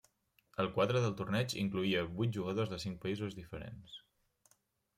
El quadre del torneig incloïa vuit jugadors de cinc països diferents.